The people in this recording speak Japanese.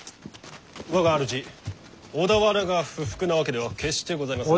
我が主小田原が不服なわけでは決してございませぬが。